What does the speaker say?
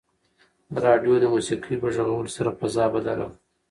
راډیو د موسیقۍ په غږولو سره فضا بدله کړه.